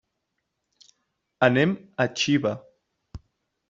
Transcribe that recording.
Anem a Xiva.